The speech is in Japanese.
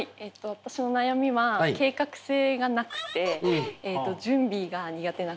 私の悩みは計画性がなくて準備が苦手なことです。